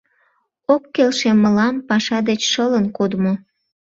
Ок келше мылам паша деч шылын кодмо